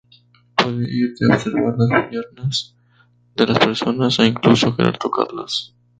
Puede ir de observar las piernas de las personas a incluso querer tocarlas.